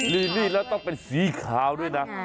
ลีลลี่แล้วต้องเป็นสีขาวด้วยนะ